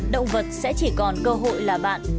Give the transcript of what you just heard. động vật sẽ chỉ còn cơ hội là bạn